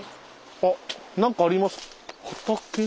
あ何かあります。